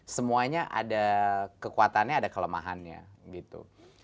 semuanya ada kekuatannya ada kelemahannya gitu